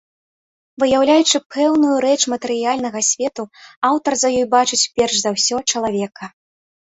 Выяўляючы пэўную рэч матэрыяльнага свету, аўтар за ёй бачыць перш за ўсё чалавека.